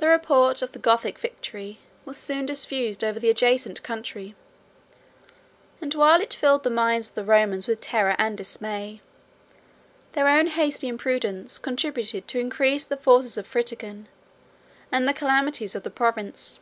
The report of the Gothic victory was soon diffused over the adjacent country; and while it filled the minds of the Romans with terror and dismay, their own hasty imprudence contributed to increase the forces of Fritigern, and the calamities of the province.